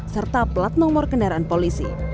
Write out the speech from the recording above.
serta plat nomor kendaraan polisi